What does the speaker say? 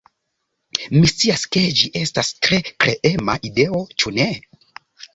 Mi scias, ke ĝi estas tre kreema ideo, ĉu ne?